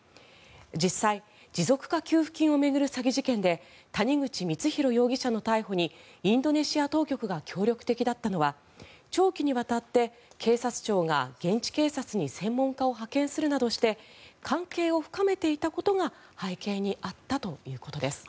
実際、持続化給付金を巡る詐欺事件で谷口光弘被告の逮捕にインドネシア当局が協力的だったのは長期にわたって警察庁が現地警察に専門家を派遣するなどして関係を深めていたことが背景にあったということです。